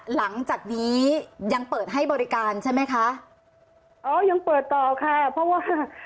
หลังจากนี้ยังเปิดให้บริการใช่ไหมคะอ๋อยังเปิดต่อค่ะเพราะว่า